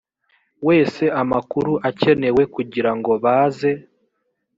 wese amakuru akenewe kugira ngo baze